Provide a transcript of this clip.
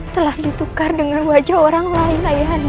telah ditukar dengan wajah orang lain ayahnya